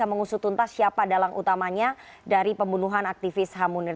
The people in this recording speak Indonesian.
bisa mengusutuntas siapa dalang utamanya dari pembunuhan aktivis ham munir